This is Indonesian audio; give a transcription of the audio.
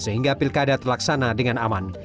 sehingga pilkada terlaksana dengan aman